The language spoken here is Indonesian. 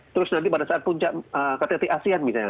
terus nanti pada saat puncak ktt asean misalnya